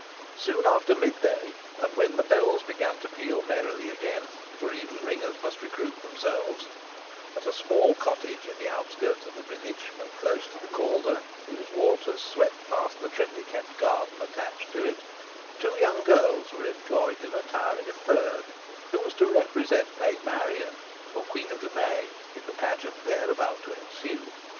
Soon after mid day, and when the bells began to peal merrily again (for even ringers must recruit themselves), at a small cottage in the outskirts of the village, and close to the Calder, whose waters swept past the trimly kept garden attached to it, two young girls were employed in attiring a third, who was to represent Maid Marian, or Queen of May, in the pageant then about to ensue.